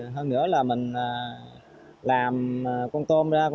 hơn nữa là mình làm con tôm ra